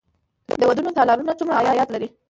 د ودونو تالارونه څومره عاید لري؟